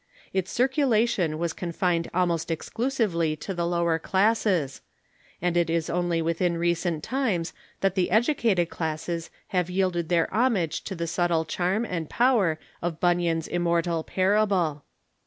Its cir culation was confined almost exclusively to the lower classes, and it is only within recent times that the educated classes have yielded their homage to the subtle charm and power of Bunyan's immortal parable.